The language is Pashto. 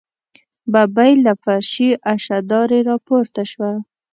ببۍ له فرشي اشدارې راپورته شوه.